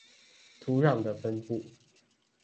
土壤的分布